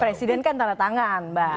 presiden kan tanda tangan mbak